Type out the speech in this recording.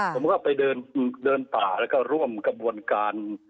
ผมก็ไปเดินป่าแล้วก็ร่วมกระบวนการ